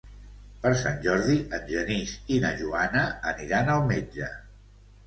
Per Sant Jordi en Genís i na Joana aniran al metge.